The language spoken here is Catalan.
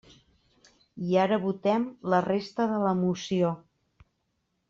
I ara votem la resta de la moció.